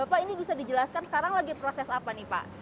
bapak ini bisa dijelaskan sekarang lagi proses apa nih pak